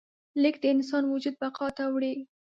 لیک د انسان وجود بقا ته وړي.